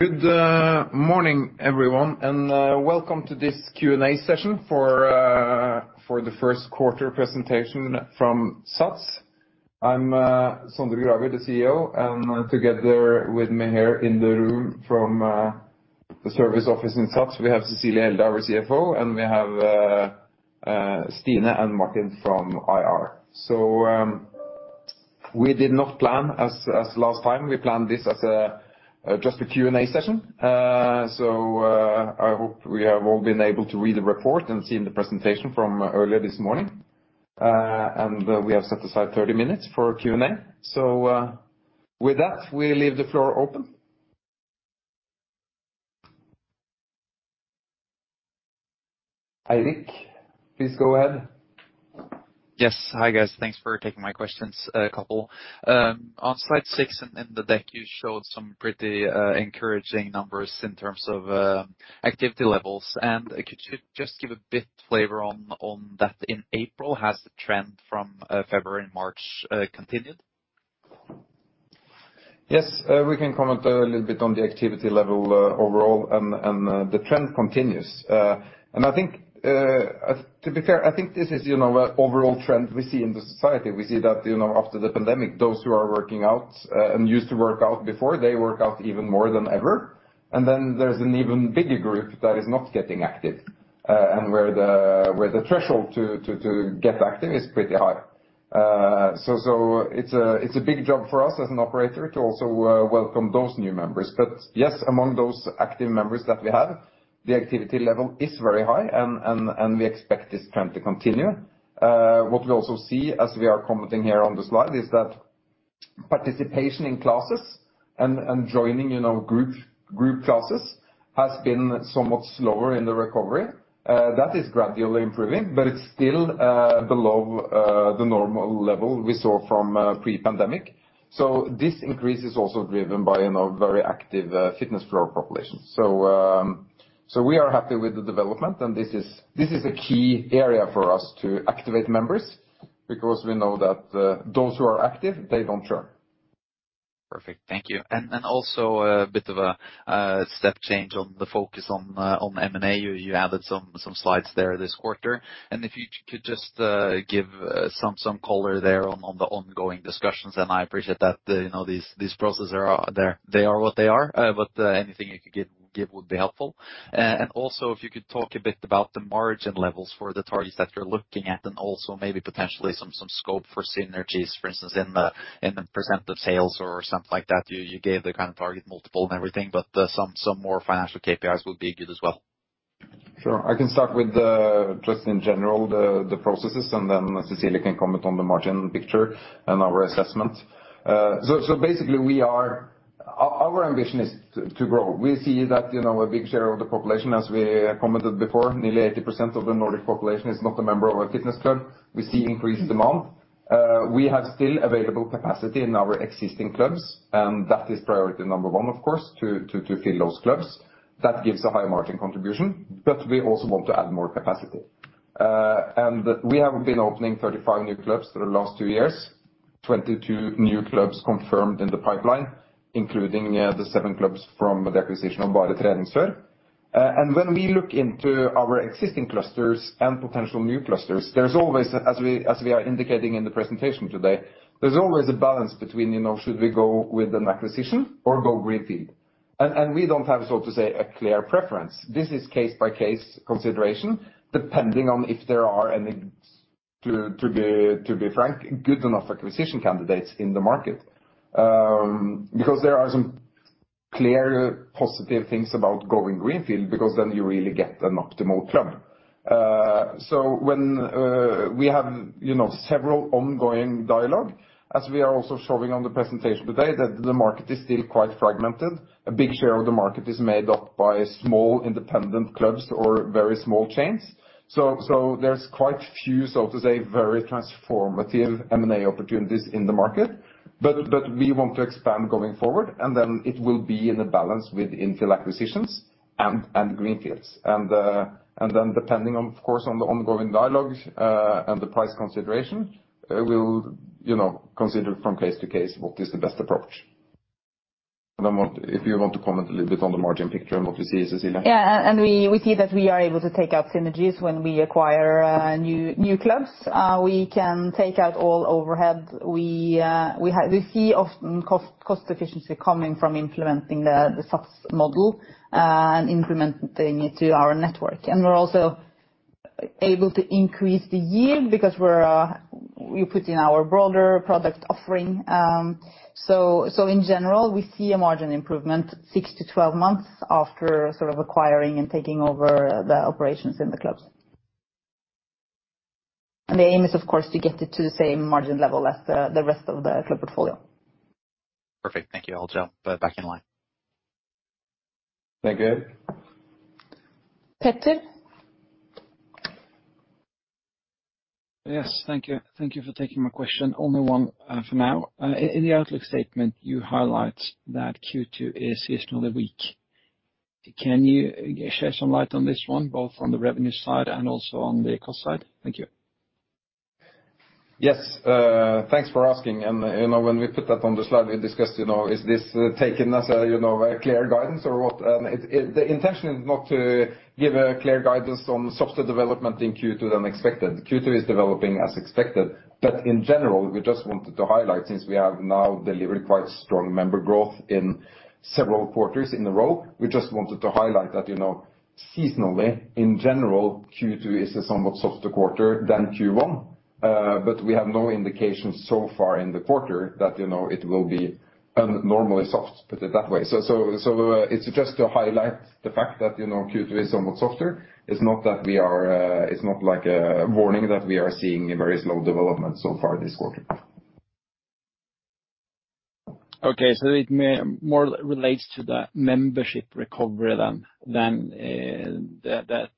Good morning, everyone, and welcome to this Q&A session for the first quarter presentation from SATS. I'm Sondre Gravir, the CEO, and together with me here in the room from the service office in SATS, we have Cecilie Elde, our CFO, and we have Stine and Martin from IR. We did not plan as last time. We planned this as just a Q&A session. I hope we have all been able to read the report and seen the presentation from earlier this morning. We have set aside 30 minutes for Q&A. With that, we leave the floor open. Eirik, please go ahead. Yes. Hi, guys. Thanks for taking my questions, a couple. On slide 6 in the deck, you showed some pretty encouraging numbers in terms of activity levels. Could you just give a bit flavor on that in April? Has the trend from February and March continued? Yes, we can comment a little bit on the activity level overall. The trend continues. I think to be fair I think this is you know an overall trend we see in the society. We see that you know after the pandemic those who are working out and used to work out before they work out even more than ever. Then there's an even bigger group that is not getting active and where the threshold to get active is pretty high. It's a big job for us as an operator to also welcome those new members. Yes, among those active members that we have, the activity level is very high and we expect this trend to continue. What we also see as we are commenting here on the slide is that participation in classes and joining, you know, group classes has been somewhat slower in the recovery. That is gradually improving, but it's still below the normal level we saw from pre-pandemic. This increase is also driven by, you know, very active fitness floor population. We are happy with the development, and this is a key area for us to activate members because we know that those who are active, they don't churn. Perfect. Thank you. Also a bit of a step change on the focus on M&A. You added some slides there this quarter. If you could just give some color there on the ongoing discussions. I appreciate that, you know, these processes are what they are. But anything you could give would be helpful. Also if you could talk a bit about the margin levels for the targets that you're looking at, and also maybe potentially some scope for synergies, for instance, in the percent of sales or something like that. You gave the kind of target multiple and everything, but some more financial KPIs would be good as well. Sure. I can start with just in general the processes, and then Cecilie can comment on the margin picture and our assessment. Basically our ambition is to grow. We see that, you know, a big share of the population, as we commented before, nearly 80% of the Nordic population is not a member of a fitness club. We see increased demand. We have still available capacity in our existing clubs, and that is priority number one, of course, to fill those clubs. That gives a high margin contribution, but we also want to add more capacity. We have been opening 35 new clubs for the last two years, 22 new clubs confirmed in the pipeline, including the seven clubs from the acquisition of Bare Trening Sør. When we look into our existing clusters and potential new clusters, there's always, as we are indicating in the presentation today, there's always a balance between, you know, should we go with an acquisition or go greenfield. We don't have, so to speak, a clear preference. This is case-by-case consideration, depending on if there are any, to be frank, good enough acquisition candidates in the market. There are some clear positive things about going greenfield because then you really get an optimal club. We have, you know, several ongoing dialogue, as we are also showing in the presentation today, that the market is still quite fragmented. A big share of the market is made up by small independent clubs or very small chains. There's quite few, so to say, very transformative M&A opportunities in the market. We want to expand going forward, and then it will be in a balance with infill acquisitions and greenfields. Depending on, of course, on the ongoing dialogue, and the price consideration, we'll, you know, consider from case to case what is the best approach. If you want to comment a little bit on the margin picture and what you see, Cecilie. Yeah. We see that we are able to take out synergies when we acquire new clubs. We can take out all overhead. We see often cost efficiency coming from implementing the SATS model and implementing it to our network. We're also able to increase the yield because we put in our broader product offering. In general, we see a margin improvement 6-12 months after sort of acquiring and taking over the operations in the clubs. The aim is, of course, to get it to the same margin level as the rest of the club portfolio. Perfect. Thank you. I'll jump back in line. Thank you. Petter. Yes. Thank you. Thank you for taking my question. Only one, for now. In the outlook statement, you highlight that Q2 is seasonally weak. Can you shed some light on this one, both on the revenue side and also on the cost side? Thank you. Yes, thanks for asking. You know, when we put that on the slide, we discussed, you know, is this taken as a, you know, a clear guidance or what? The intention is not to give a clear guidance on softer development in Q2 than expected. Q2 is developing as expected. In general, we just wanted to highlight, since we have now delivered quite strong member growth in several quarters in a row, we just wanted to highlight that, you know, seasonally, in general, Q2 is a somewhat softer quarter than Q1. We have no indication so far in the quarter that, you know, it will be abnormally soft, put it that way. So it's just to highlight the fact that, you know, Q2 is somewhat softer. It's not that we are. It's not like a warning that we are seeing a very slow development so far this quarter. Okay. It more relates to the membership recovery than that.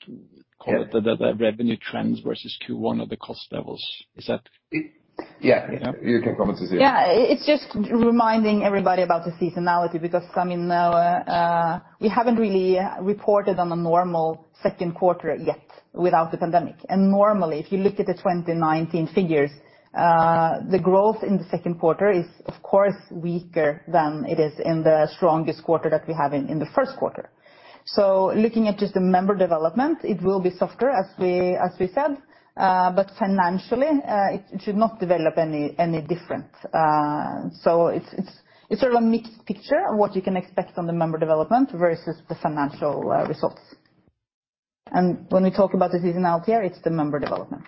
Yeah. The revenue trends versus Q1 or the cost levels? Is that. Yeah. Yeah. You can comment, Cecilie. Yeah. It's just reminding everybody about the seasonality because, I mean, we haven't really reported on a normal second quarter yet without the pandemic. Normally, if you look at the 2019 figures, the growth in the second quarter is, of course, weaker than it is in the strongest quarter that we have in the first quarter. Looking at just the member development, it will be softer, as we said. Financially, it should not develop any different. It's sort of a mixed picture of what you can expect on the member development versus the financial results. When we talk about the seasonality here, it's the member development.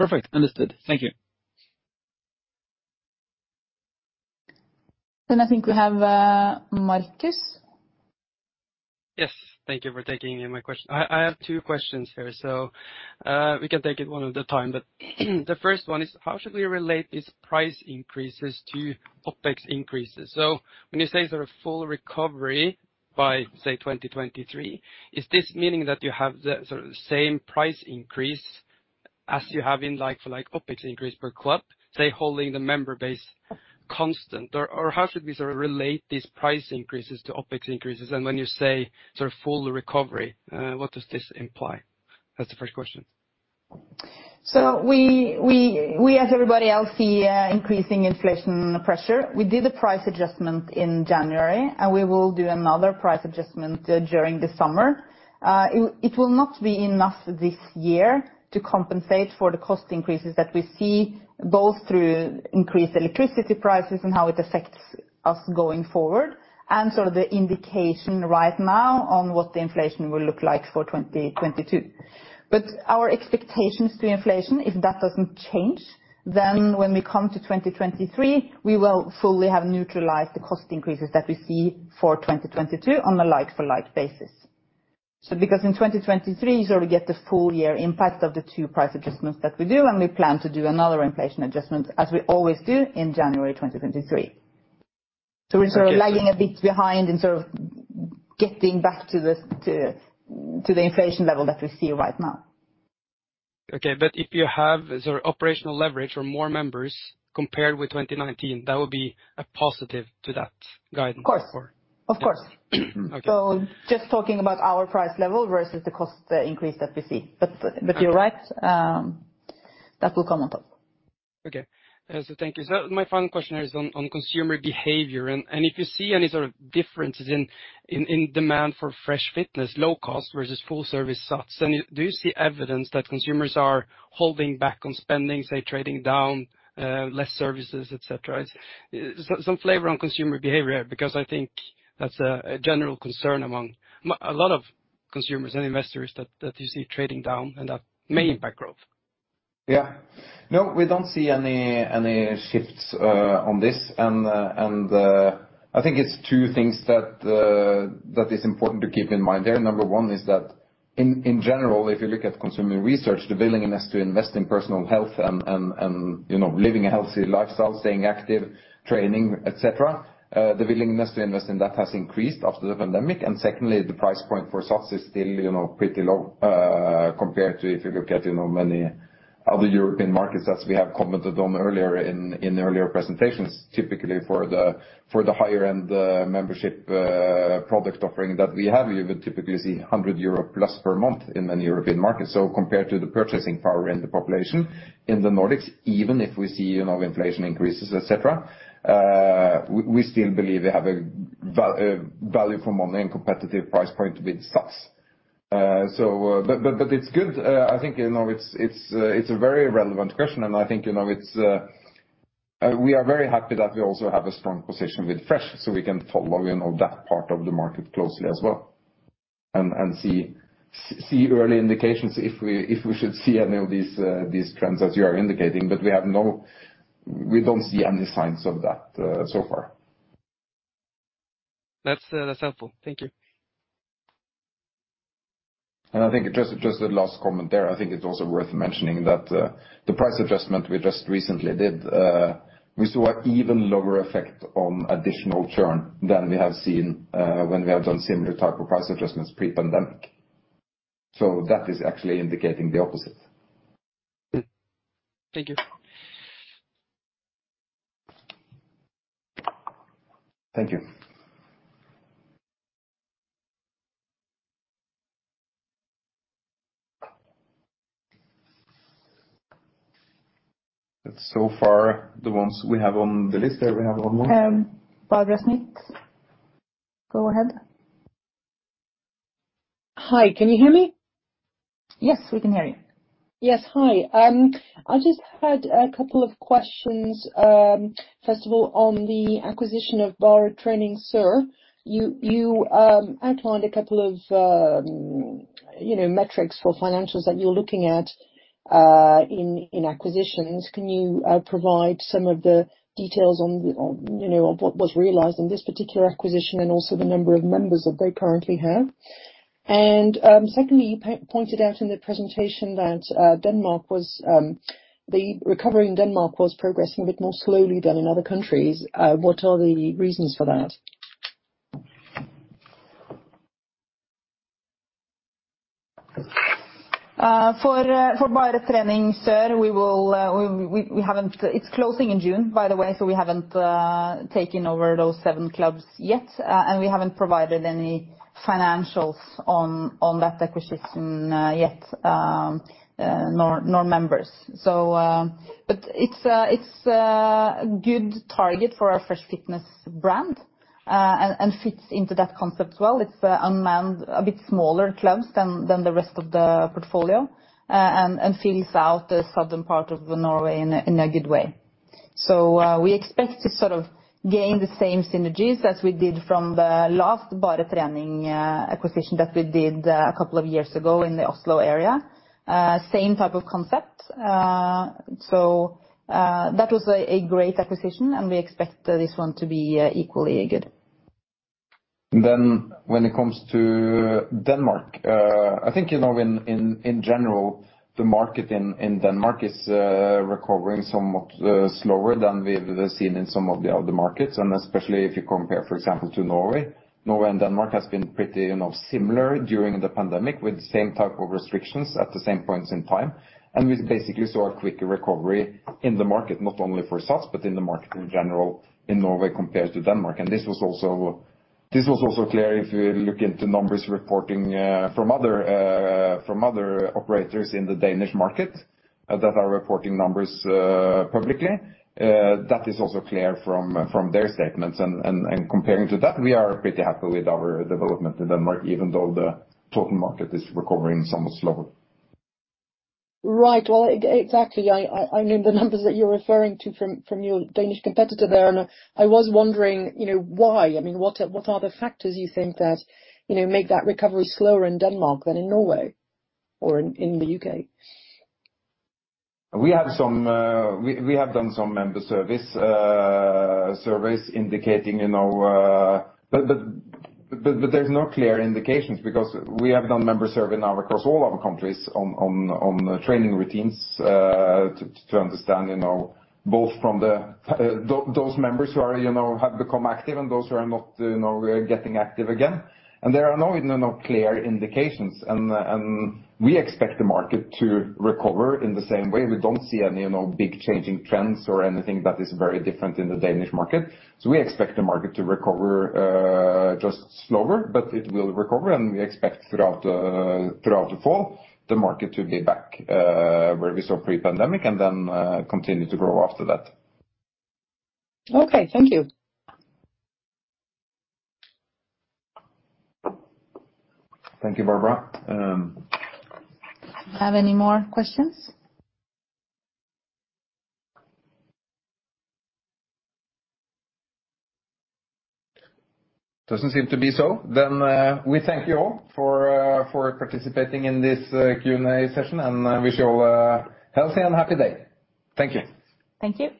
Perfect. Understood. Thank you. I think we have, Marcus. Yes. Thank you for taking my question. I have two questions here, so we can take it one at a time. The first one is, how should we relate these price increases to OpEx increases? When you say sort of full recovery by, say, 2023, is this meaning that you have the sort of same price increase as you have in like-for-like OpEx increase per club, say, holding the member base constant? Or how should we sort of relate these price increases to OpEx increases? When you say sort of full recovery, what does this imply? That's the first question. We as everybody else see increasing inflation pressure. We did a price adjustment in January, and we will do another price adjustment during the summer. It will not be enough this year to compensate for the cost increases that we see, both through increased electricity prices and how it affects us going forward, and sort of the indication right now on what the inflation will look like for 2022. Our expectations to inflation, if that doesn't change, then when we come to 2023, we will fully have neutralized the cost increases that we see for 2022 on a like-for-like basis. Because in 2023 is where we get the full year impact of the two price adjustments that we do, and we plan to do another inflation adjustment, as we always do, in January 2023. Okay. We're sort of lagging a bit behind in sort of getting back to the inflation level that we see right now. Okay. If you have sort of operational leverage or more members compared with 2019, that would be a positive to that guidance, or? Of course. Yeah. Of course. Okay. Just talking about our price level versus the cost increase that we see. Okay. You're right, that will come on top. Okay. Thank you. My final question here is on consumer behavior. If you see any sort of differences in demand for Fresh Fitness, low cost versus full service SATS, and do you see evidence that consumers are holding back on spending, say, trading down, less services, et cetera? Some flavor on consumer behavior, because I think that's a general concern among a lot of consumers and investors that you see trading down and that may impact growth. Yeah. No, we don't see any shifts on this. I think it's two things that is important to keep in mind there. Number one is that in general, if you look at consumer research, the willingness to invest in personal health and you know, living a healthy lifestyle, staying active, training, et cetera, the willingness to invest in that has increased after the pandemic. Secondly, the price point for SATS is still you know, pretty low compared to if you look at you know, many other European markets, as we have commented on earlier in earlier presentations. Typically for the higher end membership product offering that we have, you would typically see 100+ euro per month in the European market. Compared to the purchasing power in the population in the Nordics, even if we see, you know, inflation increases, et cetera, we still believe we have a value for money and competitive price point with SATS. But it's good. I think, you know, it's a very relevant question, and I think, you know, it's. We are very happy that we also have a strong position with Fresh, so we can follow, you know, that part of the market closely as well and see early indications if we should see any of these trends as you are indicating. We don't see any signs of that so far. That's helpful. Thank you. I think just a last comment there. I think it's also worth mentioning that, the price adjustment we just recently did, we saw even lower effect on additional churn than we have seen, when we have done similar type of price adjustments pre-pandemic. That is actually indicating the opposite. Thank you. Thank you. That's so far the ones we have on the list. Do we have one more? Barbara Smith, go ahead. Hi, can you hear me? Yes, we can hear you. Yes. Hi. I just had a couple of questions. First of all, on the acquisition of Bare Trening Sør. You outlined a couple of, you know, metrics for financials that you're looking at in acquisitions. Can you provide some of the details on, you know, on what was realized on this particular acquisition and also the number of members that they currently have? Secondly, you pointed out in the presentation that the recovery in Denmark was progressing a bit more slowly than in other countries. What are the reasons for that? For Bare Trening Sør, it's closing in June, by the way, so we haven't taken over those seven clubs yet, and we haven't provided any financials on that acquisition yet, nor members. It's a good target for our Fresh Fitness brand, and fits into that concept well. It's unmanned, a bit smaller clubs than the rest of the portfolio, and fills out the southern part of Norway in a good way. We expect to sort of gain the same synergies as we did from the last Bare Trening acquisition that we did a couple of years ago in the Oslo area. Same type of concept. That was a great acquisition, and we expect this one to be equally good. When it comes to Denmark, I think, you know, in general, the market in Denmark is recovering somewhat slower than we've seen in some of the other markets. Especially if you compare, for example, to Norway. Norway and Denmark has been pretty, you know, similar during the pandemic, with the same type of restrictions at the same points in time. We basically saw a quicker recovery in the market, not only for us, but in the market in general in Norway compared to Denmark. This was also clear if you look into numbers reporting from other operators in the Danish market that are reporting numbers publicly. That is also clear from their statements. Comparing to that, we are pretty happy with our development in Denmark, even though the total market is recovering somewhat slower. Right. Well, exactly. I know the numbers that you're referring to from your Danish competitor there, and I was wondering, you know, why? I mean, what are the factors you think that, you know, make that recovery slower in Denmark than in Norway or in Sweden? We have done some member service surveys indicating, you know. There's no clear indications because we have done member survey now across all our countries on training routines to understand, you know, both from those members who are, you know, have become active and those who are not, you know, getting active again. There are no clear indications. We expect the market to recover in the same way. We don't see any, you know, big changing trends or anything that is very different in the Danish market. We expect the market to recover just slower, but it will recover. We expect throughout the fall the market to be back where we saw pre-pandemic and then continue to grow after that. Okay. Thank you. Thank you, Barbara. Have any more questions? Doesn't seem to be so. We thank you all for participating in this Q&A session, and wish you all a healthy and happy day. Thank you. Thank you.